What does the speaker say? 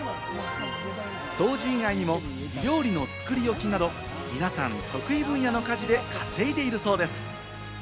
掃除以外にも料理の作り置きなど、皆さん得意分野の家事で稼いでいるそうです。